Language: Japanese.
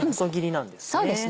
そうですね。